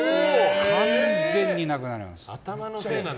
完全になくなります。